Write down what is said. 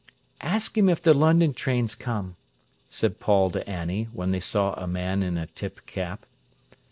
"Ask him if the London train's come," said Paul to Annie, when they saw a man in a tip cap.